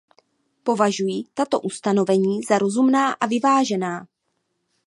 Považuji tato ustanovení za rozumná a vyvážená.